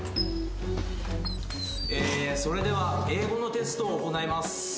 えーそれでは英語のテストを行います